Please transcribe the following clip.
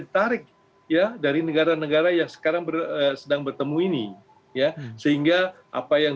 ditarik ya dari negara negara yang sekarang sedang bertemu ini ya sehingga apa yang